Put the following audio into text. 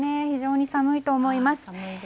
非常に寒いと思います。